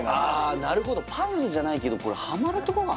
なるほどパズルじゃないけどこれあ